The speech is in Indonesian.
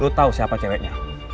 lu tau siapa ceweknya